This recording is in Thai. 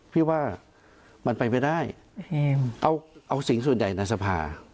พี่ว่ามันไปไม่ได้เอาสิ่งส่วนใหญ่ในสภา